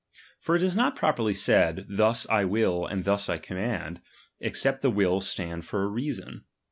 For it is not properly said, thus I will and thus I com vtand, except the will stand for a reason.